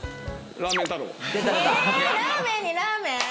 ラーメンにラーメン？